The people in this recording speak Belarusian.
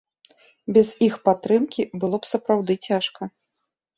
Без іх падтрымкі было б сапраўдны цяжка.